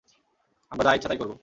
আমরা যা ইচ্ছা তাই করব।